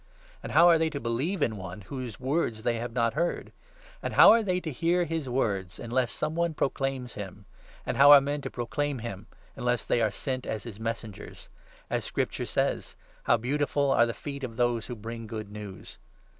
And how are they to believe in one whose words they have not heard ? And how are they to hear his words unless some one proclaims him ? And how are men to proclaim him unless they are sent as his 15 messengers ? As Scripture says —' How beautiful are the feet of those who bring good news